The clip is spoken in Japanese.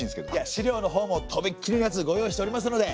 資料のほうもとびっきりのやつご用意しておりますので！